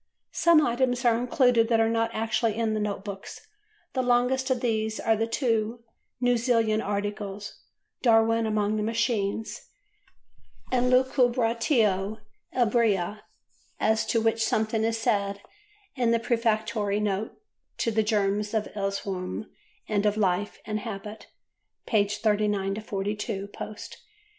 Some items are included that are not actually in the Note Books; the longest of these are the two New Zealand articles "Darwin among the Machines" and "Lucubratio Ebria" as to which something is said in the Prefatory Note to "The Germs of Erewhon and of Life and Habit" (pp. 39–42 post).